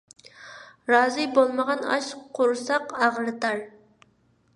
رازى بولمىغان ئاش قۇرساق ئاغرىتار.